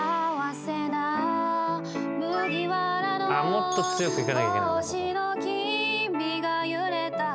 もっと強くいかなきゃいけないんだここ。